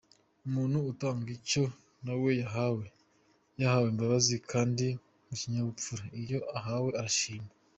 Umuntu atanga icyo nawe yahawe, yahawe imbabazi kandi mukinyabupfura iyo uhawe urashima.